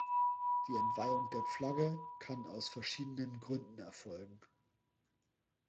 Die Entweihung der Flagge kann aus verschiedenen Gründen erfolgen.